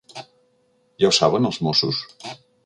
Ja ho saben els Mossos?